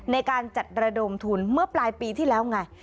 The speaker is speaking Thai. ในการจัดระดมทุนเมื่อปลายปีที่แล้วไง